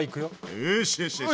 よしよしよし。